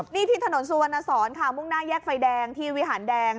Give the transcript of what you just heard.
นี่ที่ถนนสุวรรณสอนค่ะมุ่งหน้าแยกไฟแดงที่วิหารแดง